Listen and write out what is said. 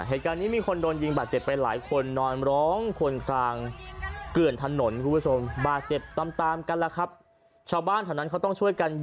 เห็ดการนี้มีคนโดนยิงบาดเจ็บไปหลายคนนอนร้องควรทางเกลืออยู่กันกัน